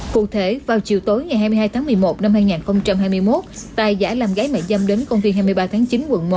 cụ thể vào chiều tối ngày hai mươi hai tháng một mươi một năm hai nghìn hai mươi một tài giả làm gái mẹ dâm đến công viên hai mươi ba tháng chín quận một